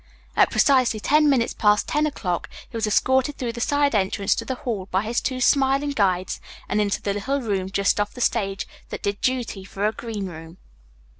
At precisely ten minutes past ten o'clock he was escorted through the side entrance to the hall by his two smiling guides, and into the little room just off the stage that did duty for a green room.